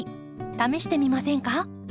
試してみませんか？